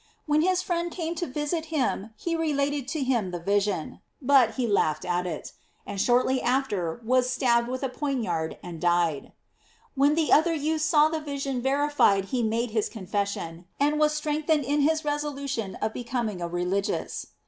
When his friend came to visit him he related to him the vision, but he laughed at it; and shortly after was stabbed with a poniard and died. When the other youth saw * Cantiprat. 1. 3, c. 19, p. 18. 690 GLORIES OP MAKY. the vision verified he made his confession, and was strengthened in his resolution of becoming a religious.